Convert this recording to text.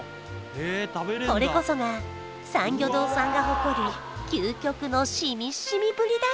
これこそが三漁洞さんが誇る究極のしみっしみブリ